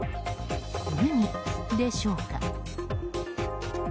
ウニでしょうか。